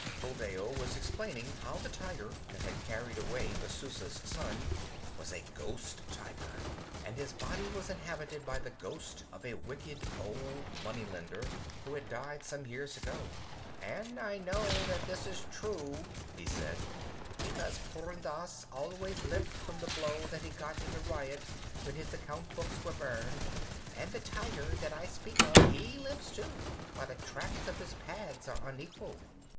Buldeo was explaining how the tiger that had carried away Messua's son was a ghost tiger, and his body was inhabited by the ghost of a wicked, old money lender, who had died some years ago. "And I know that this is true," he said, "because Purun Dass always limped from the blow that he got in a riot when his account books were burned, and the tiger that I speak of he limps, too, for the tracks of his pads are unequal."